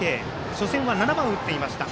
初戦は、７番を打っていました。